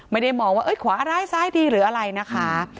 ไม่ได้มองว่าขวาอะไรซ้ายดีหรืออะไรนะคะ